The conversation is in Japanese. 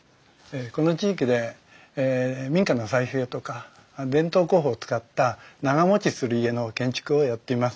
この地域で民家の再生とか伝統工法を使った長もちする家の建築をやっています。